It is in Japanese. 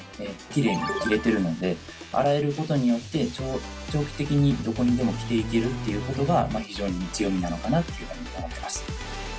奇麗に着れてるので洗えることによって長期的にどこにでも着ていけるということが非常に強みなのかなっていう感じに思っています。